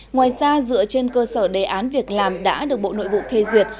ngoài ra dựa trên cơ sở đề án việc làm đã được bộ nội vụ phê duyệt